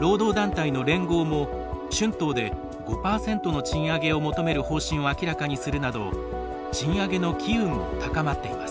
労働団体の連合も春闘で５％の賃上げを求める方針を明らかにするなど賃上げの機運も高まっています。